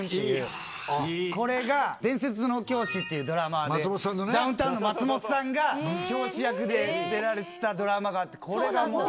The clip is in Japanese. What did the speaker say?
これが『伝説の教師』っていうドラマでダウンタウンの松本さんが教師役で出られてたドラマがあってこれがもう。